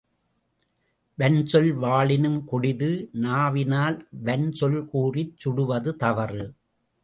வன்சொல், வாளினும் கொடிது நாவினால் வன் சொல் கூறிச் சுடுவது தவறு.